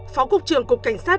phó cục trưởng cục cảnh sát